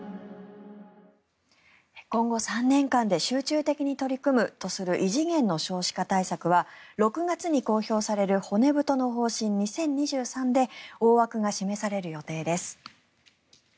今後３年間で集中的に取り組むとする異次元の少子化対策は６月に公表される骨太の方針２０２３で大枠が示される予定です。